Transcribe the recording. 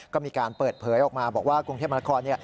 ก็มีการเปิดเผยออกมาบอกว่ากรุงเทพมนาคม